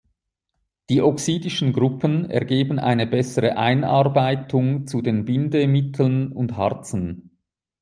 Die oxidischen Gruppen ergeben eine bessere Einarbeitung zu den Bindemitteln und Harzen.